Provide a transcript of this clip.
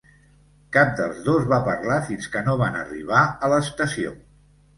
Cap dels dos va parlar fins que no van arribar a l'estació.